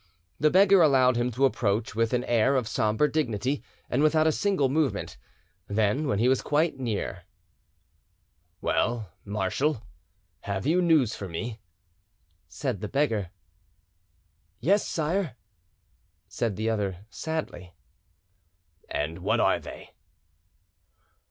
The beggar allowed him to approach with an air of sombre dignity and without a single movement; then, when he was quite near— "Well, marshal, have, you news for me?" said the beggar. "Yes, sire," said the other sadly. "And what are they?"